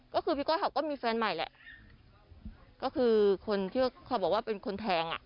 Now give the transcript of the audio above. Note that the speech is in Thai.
ก็คือพี่ก้อยเขาก็มีแฟนใหม่แหละก็คือคนที่เขาบอกว่าเป็นคนแทงอ่ะ